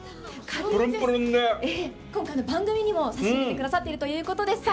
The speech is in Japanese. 今回、番組にも差し入れくださっているということでした。